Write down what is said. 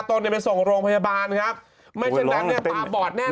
ตัวเนี้ยเป็นส่งโรงพยาบาลนะครับไม่ใช่นั้นเนี้ยตาบอดแน่นอน